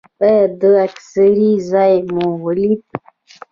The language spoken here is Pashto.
ایا د اکسرې ځای مو ولید؟